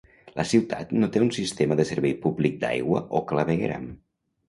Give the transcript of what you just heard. La ciutat no té un sistema de servei públic d'aigua o clavegueram.